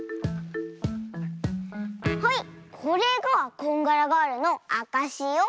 はいこれがこんがらガールのあかしよ！